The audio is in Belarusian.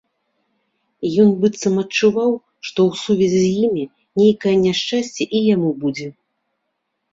Ён быццам адчуваў, што ў сувязі з імі нейкае няшчасце і яму будзе.